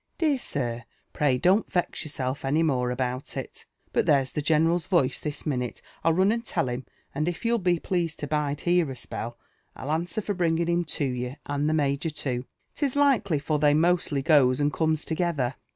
Dear sir, pray don't vex yourself any more about it. But there's {h» general's voice this minulc, I'll run and tell him; and if you'll be pleased to bide here a spell, I'll answer for bringing him to yoUr««* and Ihe major, too, 'tis likely, for they mostly goes and eomea together."